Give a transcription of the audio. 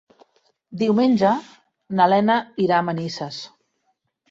Diumenge na Lena irà a Manises.